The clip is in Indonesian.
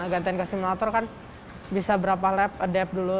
gantian ke simulator kan bisa berapa lap adapt dulu